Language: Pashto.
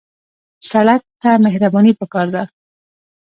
سړک ته مهرباني پکار ده.